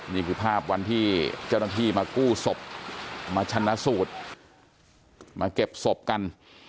นี่คือภาพวันที่เจ้าหน้าที่มากู้ศพมาชนะสูตรมาเก็บศพกัน